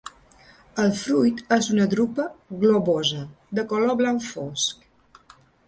El fruit és una drupa globosa, de color blau fosc.